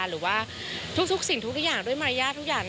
หรือว่าทุกสิ่งทุกอย่างด้วยมารยาททุกอย่าง